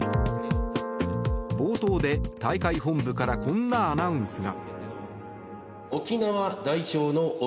冒頭で、大会本部からこんなアナウンスが。